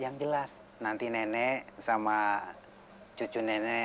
lihat tomar energi dia tempat kerja